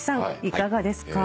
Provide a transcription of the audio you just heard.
いかがですか？